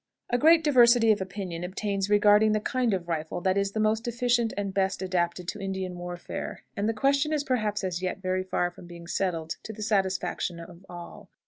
A great diversity of opinion obtains regarding the kind of rifle that is the most efficient and best adapted to Indian warfare, and the question is perhaps as yet very far from being settled to the satisfaction of all.